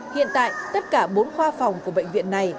hiện tại tất cả bốn khoa phòng của bệnh viện này